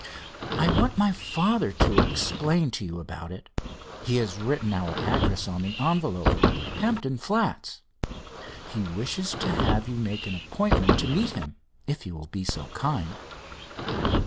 "I want my father to explain to you about it. He has written our address on the envelope—Hampton Flats. He wishes to have you make an appointment to meet him, if you will be so kind."